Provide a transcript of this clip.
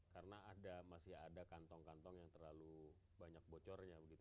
karena masih ada kantong kantong yang terlalu banyak bocor